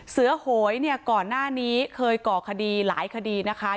โหยเนี่ยก่อนหน้านี้เคยก่อคดีหลายคดีนะคะ